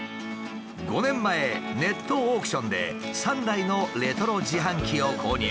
５年前ネットオークションで３台のレトロ自販機を購入。